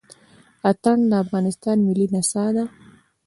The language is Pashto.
اتڼ د افغانستان ملي نڅا ده.